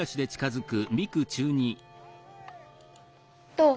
どう？